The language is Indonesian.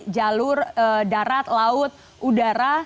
jalur darat laut udara